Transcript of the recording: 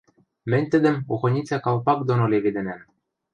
Мӹнь тӹдӹм охоницӓ калпак доно леведӹнӓм.